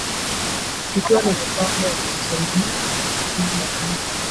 tukiwa na mpango wa kujisaidia sisi wenyewe